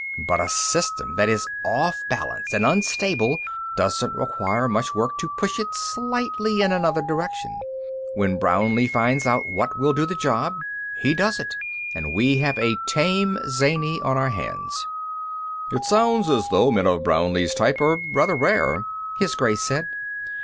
"But a system that is off balance and unstable doesn't require much work to push it slightly in another direction. When Brownlee finds out what will do the job, he does it, and we have a tame zany on our hands." "It sounds as though men of Brownlee's type are rather rare," His Grace said.